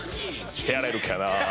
やれるかな。